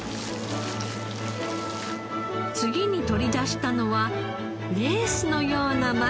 次に取り出したのはレースのような膜。